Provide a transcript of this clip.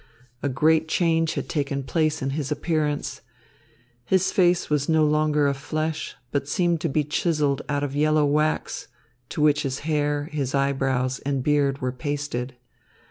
A great change had taken place in his appearance. His face was no longer of flesh, but seemed to be chiselled out of yellow wax, to which his hair, his eyebrows and beard were pasted.